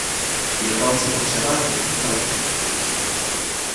Věnoval se převážně technice leptu.